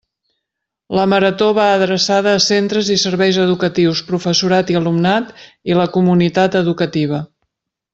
La Marató va adreçada a centres i serveis educatius, professorat i alumnat i la comunitat educativa.